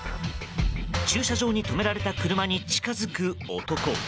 駐車場に止められた車に近づく男。